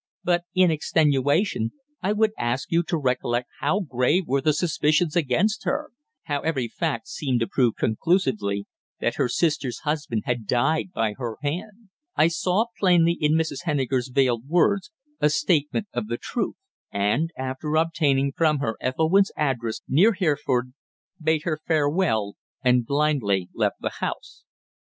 But, in extenuation, I would ask you to recollect how grave were the suspicions against her how every fact seemed to prove conclusively that her sister's husband had died by her hand. I saw plainly in Mrs. Henniker's veiled words a statement of the truth; and, after obtaining from her Ethelwynn's address near Hereford, bade her farewell and blindly left the house.